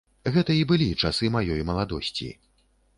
Гэта і былі часы маёй маладосці.